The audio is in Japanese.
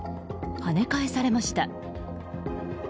跳ね返されました。